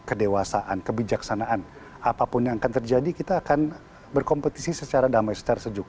jadi kedewasaan kebijaksanaan apapun yang akan terjadi kita akan berkompetisi secara damai secara sejuk